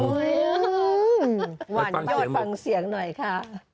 หวั่นยอดฟังเสียงหน่อยค่ะ